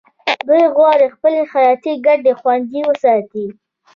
دوی غواړي خپلې حیاتي ګټې خوندي وساتي